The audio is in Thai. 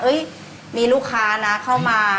มีลูกค้านะเข้ามา